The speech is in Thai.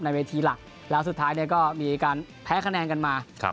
เวทีหลักแล้วสุดท้ายเนี่ยก็มีการแพ้คะแนนกันมา